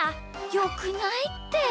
よくないって！